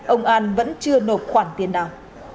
ông an vẫn chưa nộp khoản tiền nào